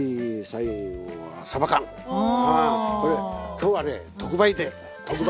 今日はね特売で特売。